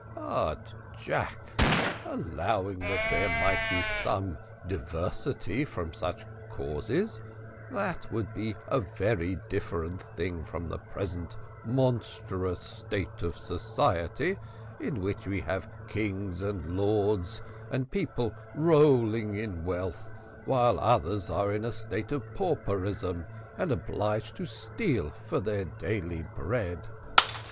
"But, Jack, allowing that there might be some diversity from such causes, that would be a very different thing from the present monstrous state of society, in which we have kings, and lords, and people, rolling in wealth, while others are in a state of pauperism, and obliged to steal for their daily bread."